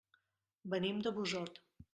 Venim de Busot.